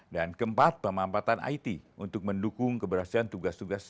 dan keempat pemanfaatan it untuk mendukung keberhasilan tugas tugas kejaksaan